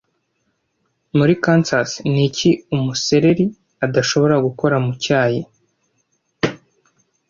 Muri Kansas niki umusereri adashobora gukora mu cyayi